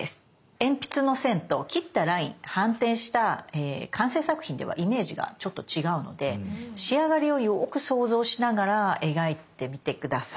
鉛筆の線と切ったライン反転した完成作品ではイメージがちょっと違うので仕上がりをよく想像しながら描いてみて下さい。